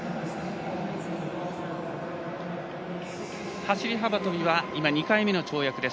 走り幅跳びは今２回目の跳躍です。